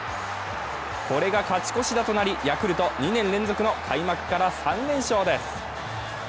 これが勝ち越し打となりヤクルト２年連続の開幕から３連勝です。